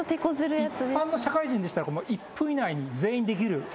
一般の社会人でしたら１分以内に全員できるやつなので。